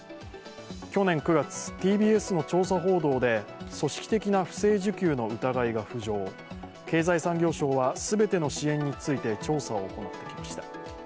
去年９月、ＴＢＳの「調査報道」で、組織的な不正受給の疑いが浮上、経済産業省は全ての支援について調査を行ってきました。